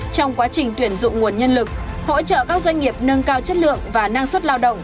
trong quá trình tuyển dụng nguồn nhân lực hỗ trợ các doanh nghiệp nâng cao chất lượng và năng suất lao động